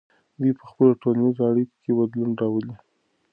دوی په خپلو ټولنیزو اړیکو کې بدلون راولي.